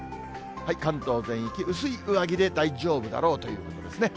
関東全域、薄い上着で大丈夫だろうということですね。